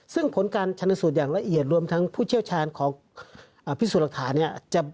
ซึ่งผลการชนสูตรอย่างละเอียดรวมทั้งผู้เชี่ยวชาญของพิสูจน์หลักฐานเนี่ย